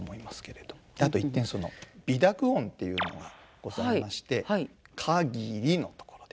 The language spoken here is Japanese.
あと一点鼻濁音というのがございまして「かぎり」のところですね。